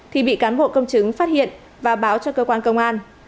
thì bị cán bộ công chứng phát hiện và báo cho cơ quan công an